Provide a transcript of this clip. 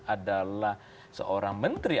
adalah seorang menteri